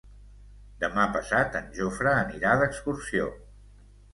Demà passat en Jofre anirà d'excursió.